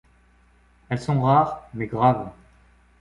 Elles sont rares mais graves.